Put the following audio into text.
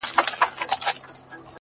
هر ځواب د سترګو پهٔ ځمبل کې دی